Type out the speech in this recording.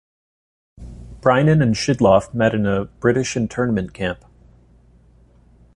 Brainin and Schidlof met in a British internment camp.